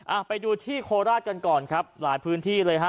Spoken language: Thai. อ่ะไปดูที่โคราชกันก่อนครับหลายพื้นที่เลยฮะ